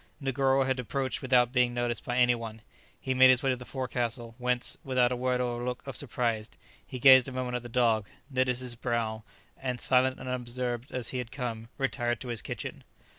Negoro had approached without being noticed by any one; he made his way to the forecastle, whence, without a word or look of surprise, he gazed a moment at the dog, knitted his brow, and, silent and unobserved as he had come, retired to his kitchen.